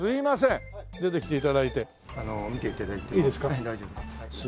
はい大丈夫です。